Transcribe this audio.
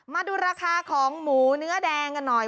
มาดูราคาของหมูเนื้อแดงกันหน่อย